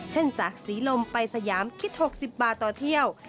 จากศรีลมไปสยามคิด๖๐บาทต่อเที่ยว